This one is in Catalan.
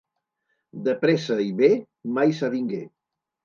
De pressa i bé mai s'avingué.